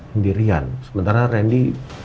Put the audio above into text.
pendirian sementara randy